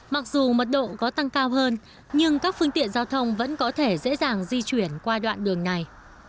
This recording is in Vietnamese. mặc dù mật độ có tăng cao hơn nhưng các phương tiện giao thông vẫn có thể dễ dàng di chuyển qua đoạn đường này